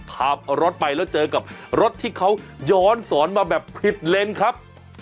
ขับรถไปแล้วเจอกับรถที่เขาย้อนสอนมาแบบผิดเลนครับ